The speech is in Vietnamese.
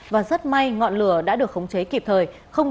và rất may ngọn lửa đã được khống chế kịp thời